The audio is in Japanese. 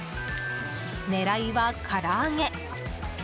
狙いは、から揚げ。